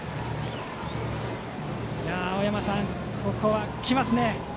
青山さん、ここは来ますね。